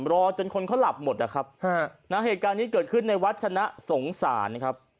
รอจนคนเขาหลับหมดนะครับเหตุการณ์นี้เกิดขึ้นในวัดชนะสงสารนะครับ